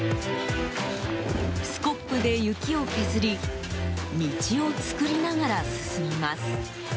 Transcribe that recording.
スコップで雪を削り道を作りながら進みます。